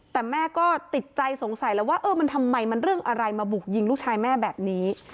แต่แม่ก็ติดใจสงสัยแล้วว่าเออมันทำไมมันเรื่องอะไรมาบุกยิงลูกชายแม่แบบนี้